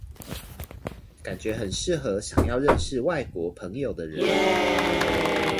感覺很適合想要認識外國朋友的人